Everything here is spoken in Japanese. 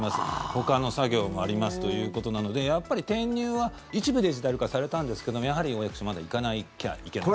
ほかの作業もありますということなのでやっぱり転入は一部デジタル化されたんですけどやはりお役所まで行かなきゃいけないと。